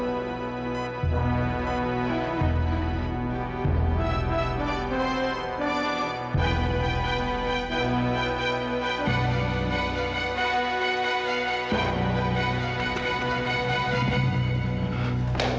aduh aneh berhenti